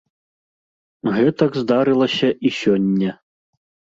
Гэтак здарылася і сёння.